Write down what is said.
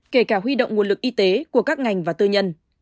kể cả huy động nguồn lực y tế của các ngành và tư nhân